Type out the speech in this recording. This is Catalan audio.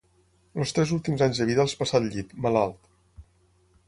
Els tres últims anys de vida els passà al llit, malalt.